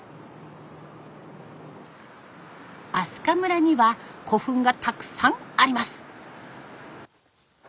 明日香村には古墳がたくさんあります。